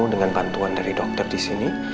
dengan bantuan dari dokter disini